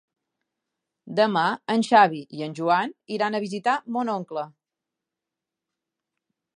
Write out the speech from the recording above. Demà en Xavi i en Joan iran a visitar mon oncle.